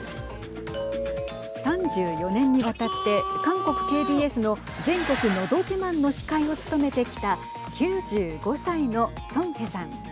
３４年にわたって韓国ＫＢＳの全国のど自慢の司会を務めてきた９５歳のソン・ヘさん。